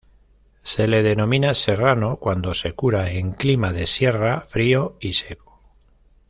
Se le denomina "serrano" cuando se cura en clima de sierra, frío y seco.